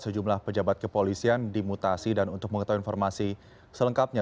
sejumlah pejabat kepolisian dimutasi dan untuk mengetahui informasi selengkapnya